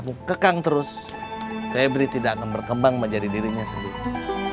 mau kekang terus febri tidak akan berkembang menjadi dirinya sendiri